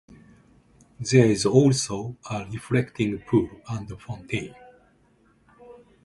There is also a reflecting pool and fountain.